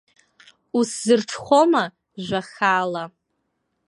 Усзырҽхәома жәа хаала.